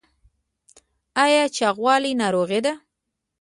ایا چاغوالی ناروغي ده؟